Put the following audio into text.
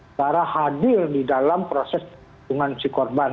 negara hadir di dalam proses penghubungan si korban